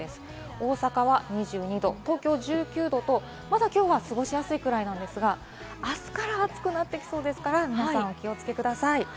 大阪は２２度、東京１９度とまだ今日は過ごしやすいくらいですが、明日から暑くなって来そうですから皆さんお気をつけください。